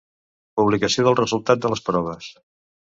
Publicació del resultat de les proves.